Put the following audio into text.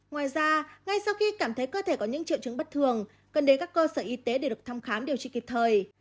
ngoài ra ngay sau khi cảm thấy cơ thể có những triệu chứng bất thường cần đến các cơ sở y tế để được thăm khám điều trị kịp thời